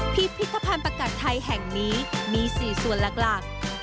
พิพิธภัณฑ์ประกัดไทยแห่งนี้มี๔ส่วนหลัก